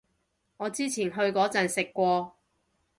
我之前去嗰陣食過